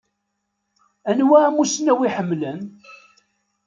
Anwa amussnaw i ḥemmlen?